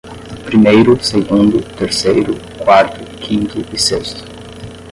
Primeiro, segundo, terceiro, quarto, quinto e sexto